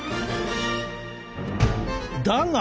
だが！